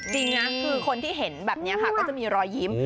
จริงนะคือคนที่เห็นแบบนี้ค่ะก็จะมีรอยยิ้ม